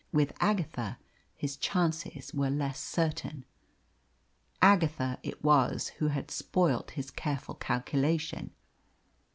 With Agatha his chances were less certain. Agatha it was who had spoilt his careful calculation.